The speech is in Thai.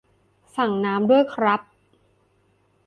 สั่งน้ำด้วยครับ